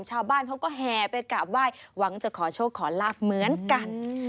ชาวบ้านเขาก็แห่ไปกราบไหว้หวังจะขอโชคขอลาบเหมือนกัน